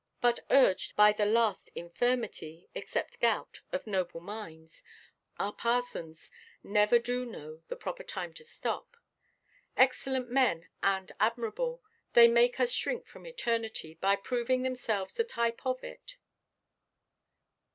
But urged by the last infirmity (except gout) of noble minds, our parsons never do know the proper time to stop. Excellent men, and admirable, they make us shrink from eternity, by proving themselves the type of it.